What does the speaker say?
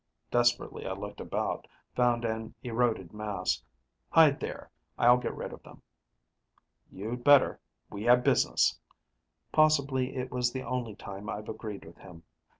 Desperately, I looked about, found an eroded mass. "Hide there; I'll get rid of them." "You'd better we have business." Possibly it was the only time I've agreed with him.